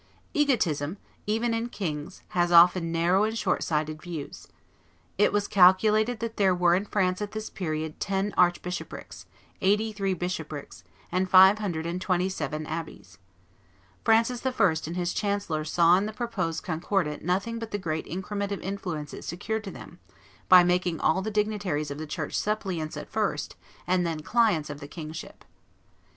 Egotism, even in kings, has often narrow and short sighted views. It was calculated that there were in France at this period ten archbishoprics, eighty three bishoprics, and five hundred and twenty seven abbeys. Francis I. and his chancellor saw in the proposed Concordat nothing but the great increment of influence it secured to them, by making all the dignitaries of the church suppliants at first and then clients of the kingship.